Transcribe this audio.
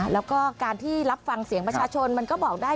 แล้วก็การที่รับฟังเสียงประชาชนมันก็บอกได้